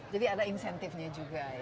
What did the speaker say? ada insentifnya juga ya